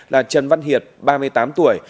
là trần văn hiệt ba mươi tám tuổi